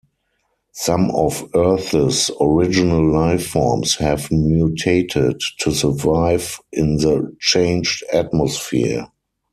Some of Earth's original life forms have mutated to survive in the changed atmosphere.